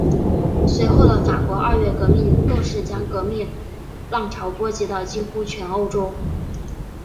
随后的法国二月革命更是将革命浪潮波及到几乎全欧洲。